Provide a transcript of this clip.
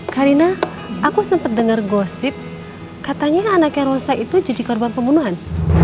karina aku sempat dengar gosip katanya anaknya rosa itu jadi korban pembunuhan